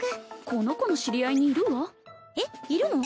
この子の知り合いにいるわえっいるの！？